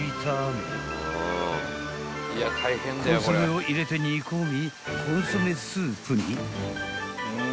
［コンソメを入れて煮込みコンソメスープに］